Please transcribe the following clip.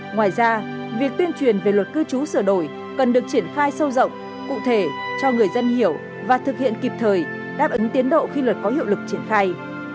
ngoài ra việc tuyên truyền về luật cư trú sửa đổi cần được triển khai sâu rộng cụ thể cho người dân hiểu và thực hiện kịp thời đáp ứng tiến độ khi luật có hiệu lực triển khai